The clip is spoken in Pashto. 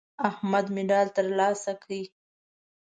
احمد مډال ترلاسه کړ.